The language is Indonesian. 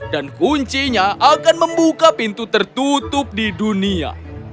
dan kuncinya akan membuka pintu tertutup di dunia